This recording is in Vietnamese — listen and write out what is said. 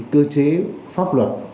cơ chế pháp luật